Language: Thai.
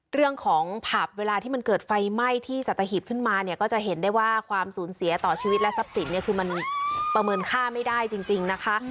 เรื่องของผับเวลาที่มันเกิดไฟไหม้ที่สัตหีบขึ้นมาเนี่ยก็จะเห็นได้ว่าความสูญเสียต่อชีวิตและทรัพย์สินเนี่ยคือมันประเมินค่าไม่ได้จริงนะคะ